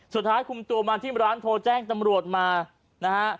สุดท้ายคุมตัวมาที่ร้านโทรแจ้งตำรวจมานะฮะ